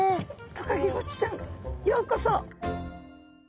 トカゲゴチちゃんようこそ。